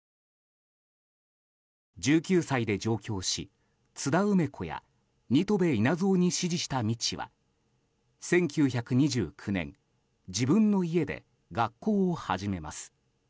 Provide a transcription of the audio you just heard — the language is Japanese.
１９歳で上京し、津田梅子や新渡戸稲造に師事した道は１９２９年自分の家で学校を始めます。